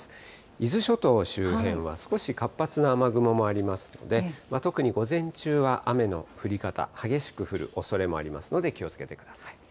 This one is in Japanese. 伊豆諸島周辺は少し活発な雨雲もありますので、特に午前中は雨の降り方、激しく降るおそれもありますので、気をつけてください。